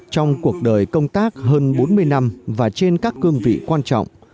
trong cuộc đời công tác hơn bốn mươi năm và trên các cương vị quan trọng